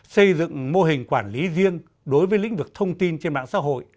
xây dựng mô hình quản lý riêng đối với lĩnh vực thông tin trên mạng xã hội